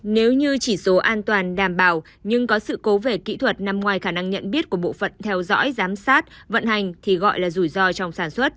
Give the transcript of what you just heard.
nếu như chỉ số an toàn đảm bảo nhưng có sự cố về kỹ thuật nằm ngoài khả năng nhận biết của bộ phận theo dõi giám sát vận hành thì gọi là rủi ro trong sản xuất